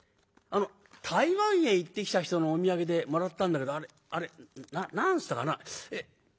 台湾へ行ってきた人のお土産でもらったんだけどあれ何つったかなあ。